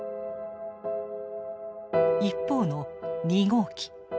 一方の２号機。